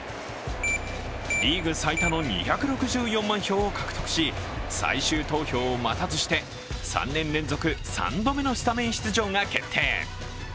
リーグ最多の２６４万票を獲得し最終投票を待たずして３年連続３度目のスタメン出場が決定。